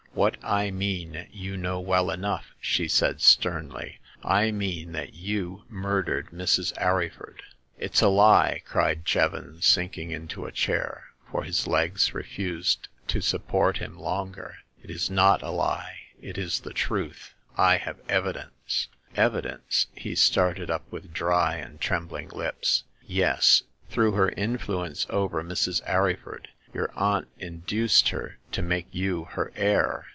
"What I mean you know well enough !" she said, sternly. " I mean that you murdered Mrs. Arryford !"" It's a lie !" cried Jevons, sinking into a chair, for his legs refused to support him longer. " It is not a lie — it is the truth ! I have evi dence !"" Evidence !" He started up with dry and trembling lips. " Yes. Through her influence over Mrs. Arry ford, your aunt induced her to make you her heir.